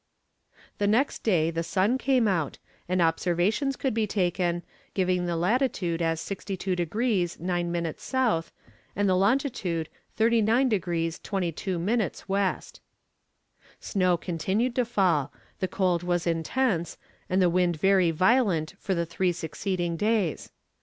The next day the sun came out, and observations could be taken, giving the latitude as 62 degrees 9 minutes S., and the longitude 39 degrees 22 minutes W. Snow continued to fall, the cold was intense, and the wind very violent for the three succeeding days.